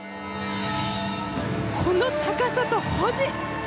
この高さと保持。